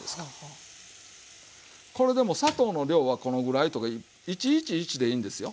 これでも砂糖の量はこのぐらいとか１：１：１でいいんですよ。